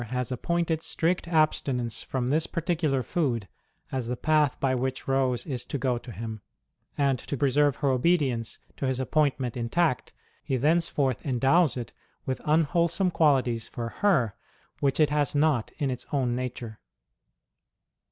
CATHERINE OF SIENA 6l appointed strict abstinence from this particular food as the path by which Rose is to go to Him ; and to preserve her obedience to His appointment intact, He thenceforth endows it with unwhole some qualities for her which it has not in its own nature.